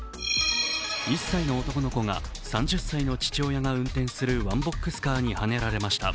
１歳の男の子が３０歳の父親が運転するワンボックスカーにはねられました。